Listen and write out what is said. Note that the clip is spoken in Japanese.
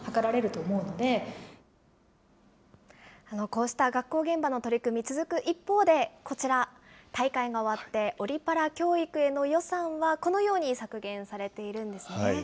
こうした学校現場の取り組み、続く一方で、こちら、大会が終わってオリ・パラ教育への予算はこのように削減されているんですね。